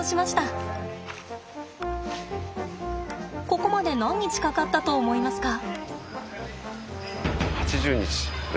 ここまで何日かかったと思いますか？